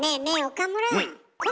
岡村。